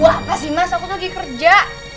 wah apa sih mas aku lagi kerja